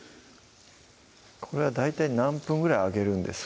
これは大体何分ぐらい揚げるんですか？